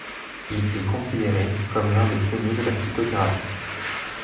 Il est considéré comme l'un des pionniers de la psychothérapie.